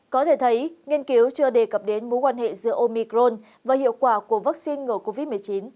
có thể thấy nghiên cứu chưa đề cập đến mối quan hệ giữa omicron và hiệu quả của vaccine ngừa covid một mươi chín